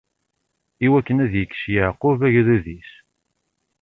Iwakken ad ikes Yeɛqub, agdud-is.